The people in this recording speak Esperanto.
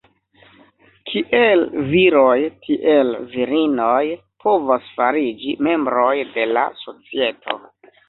Kiel viroj tiel virinoj povas fariĝi membroj de la societo.